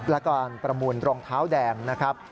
และการประมูลรองเท้าแดงนะครับ